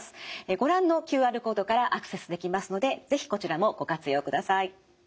ご覧のＱＲコードからアクセスできますので是非こちらもご活用ください。